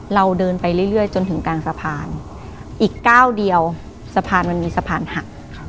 เราเดินไปเรื่อยจนถึงกลางสะพานอีกก้าวเดียวสะพานมันมีสะพานหัก